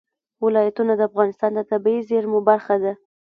ولایتونه د افغانستان د طبیعي زیرمو برخه ده.